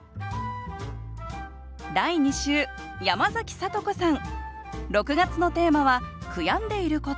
第２週山崎聡子さん